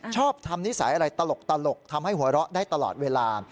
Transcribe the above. ชอบทำนิสัยอะไรตลกทำให้หัวเราะได้ตลอดเวลา